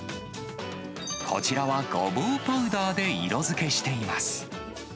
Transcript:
こちらは、ごぼうパウダーで色づけしています。